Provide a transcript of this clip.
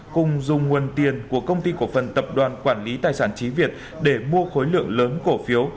cùng dùng nguồn tiền của công ty cổ phần tập đoàn quản lý tài sản trí việt để mua khối lượng lớn cổ phiếu